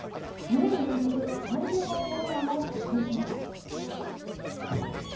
２年連続３０号ホームランを達成しました。